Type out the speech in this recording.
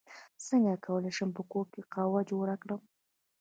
څنګه کولی شم په کور کې قهوه جوړه کړم